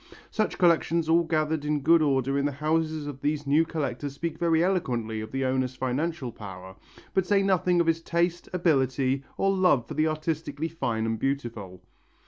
Such collections all gathered in good order in the houses of these new collectors speak very eloquently of the owner's financial power, but say nothing of his taste, ability, or love for the artistically fine and beautiful.